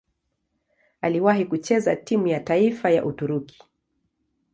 Aliwahi kucheza timu ya taifa ya Uturuki.